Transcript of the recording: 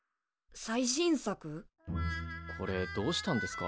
これどうしたんですか？